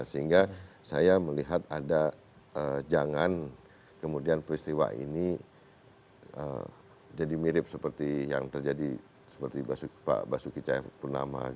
sehingga saya melihat ada jangan kemudian peristiwa ini jadi mirip seperti yang terjadi seperti pak basuki cahayapurnama